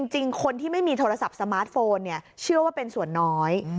จริงคนที่ไม่มีโทรศัพท์สมาร์ทโฟนเชื่อว่าเป็นส่วนน้อย